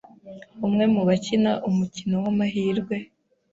umwe mu bakina umukino w’amahirwe